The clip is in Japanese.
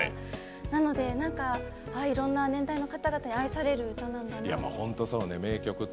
なので、なんかいろんな年代の方々に愛される歌なんだなって。